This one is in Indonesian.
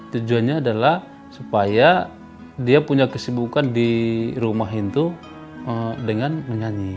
tujuannya adalah supaya dia punya kesibukan di rumah itu dengan menyanyi